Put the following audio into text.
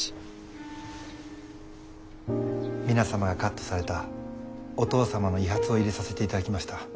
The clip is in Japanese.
皆様がカットされたお父様の遺髪を入れさせていただきました。